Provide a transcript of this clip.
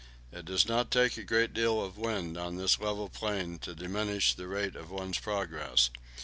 It does not take a great deal of wind on this level plain to diminish the rate of one's progress.